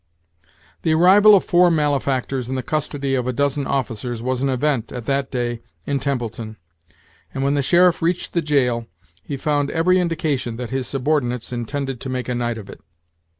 The arrival of four malefactors in the custody of a dozen officers was an event, at that day, in Templeton; and, when the sheriff reached the jail, he found every indication that his subordinates in tended to make a night of it.